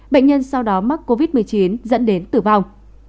bệnh nhân sau đó mắc covid một mươi chín dẫn đến tử vong